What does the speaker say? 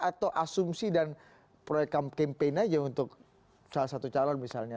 atau asumsi dan proyek campaign aja untuk salah satu calon misalnya